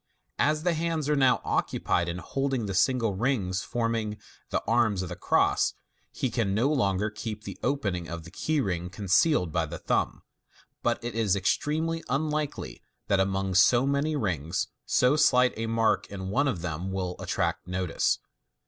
As the bands are now occupied in holding the single rings forming the arms of the cross, he can no longer keep the opening of the key ring concealed by the thumb, but it is extremely un likely that among so many rings, so slight a mark in one of them will attrai t notice.